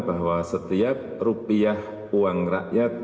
bahwa setiap rupiah uang rakyat